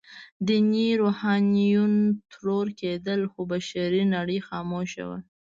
ديني روحانيون ترور کېدل، خو بشري نړۍ خاموشه وه.